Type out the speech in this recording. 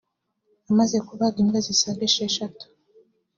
amaze kubaga imbwa zisaga isheshatu